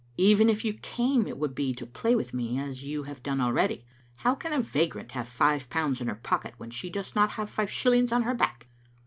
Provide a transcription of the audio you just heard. Even if you came, it would be to play with me as you have done already. How can a vagrant have five pounds in her pocket when she does not have five shillings on her back?"